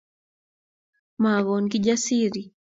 Makon Kijasiri